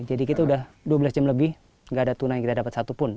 jadi kita udah dua belas jam lebih nggak ada tuna yang kita dapat satu pun